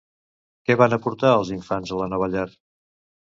Què van aportar els infants a la nova llar?